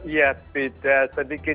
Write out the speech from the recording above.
ya beda sedikit